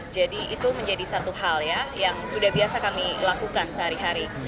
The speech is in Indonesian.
jadi itu menjadi satu hal yang sudah biasa kami lakukan sehari hari